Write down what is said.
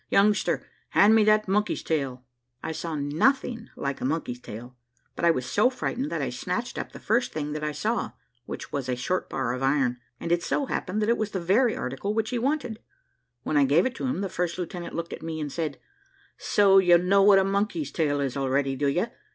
"Youngster, hand me that monkey's tail." I saw nothing like a monkey's tail; but I was so frightened that I snatched up the first thing that I saw, which was a short bar of iron, and it so happened that it was the very article which he wanted. When I gave it to him, the first lieutenant looked at me, and said, "So you know what a monkey's tail is already, do you?